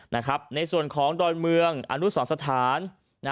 ในส่วนของดอนเมืองอนุสรสถาน